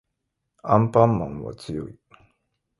アンパンマンは強い